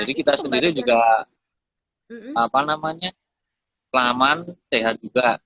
jadi kita sendiri juga apa namanya kelamaan sehat juga